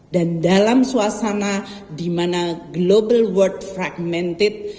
dan dalam suasana di mana global world fragmented